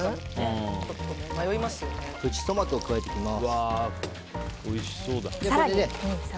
プチトマトを加えていきます。